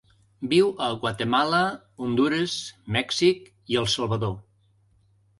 Viu a Guatemala, Hondures, Mèxic i El Salvador.